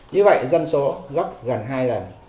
như vậy dân số gấp gần hai lần